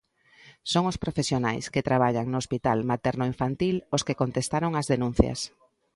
Son os profesionais que traballan no Hospital Materno-Infantil os que contestaron as denuncias.